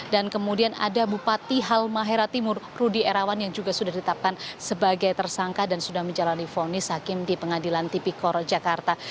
dan kemudian ada bupati halmahera timur rudy erawan yang juga sudah ditetapkan sebagai tersangka dan sudah menjalani fonis hakim di pengadilan tipikoro jakarta